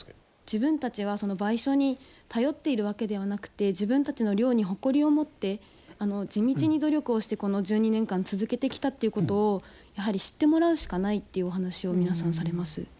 自分たちは賠償に頼っているわけではなくて自分たちの漁に誇りを持って地道に努力をして、この１２年間続けてきたっていうことをやはり知ってもらうしかないっていうお話を皆さんされます。